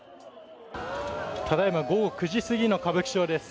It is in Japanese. ただ今、午後９時すぎの歌舞伎町です。